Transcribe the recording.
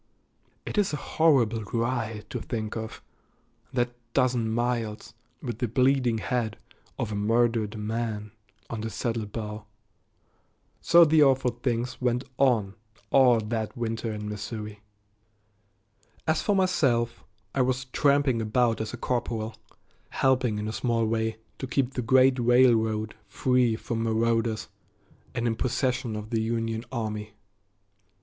It is a horrible ride to think of, that dozen miles, with the bleeding head of a murdered man on the saddle bow. So the awful things went on all that winter in Missouri. As for myself, I was tramping about as a corporal, helping in a small way to keep the great railroad free from marauders and in possession of the Union army.